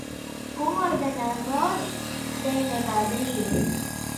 ¡Cun ordenador dende Madrid!